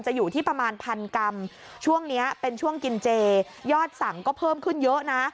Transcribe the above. อยู่ที่ประมาณพันกรัมช่วงนี้เป็นช่วงกินเจยอดสั่งก็เพิ่มขึ้นเยอะนะ